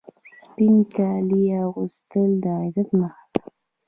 سپین کالي اغوستل د عزت نښه ده.